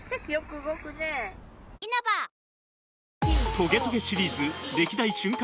『トゲトゲ』シリーズ歴代瞬間